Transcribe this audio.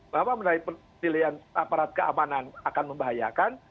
mengapa menarik persilihan aparat keamanan akan membahayakan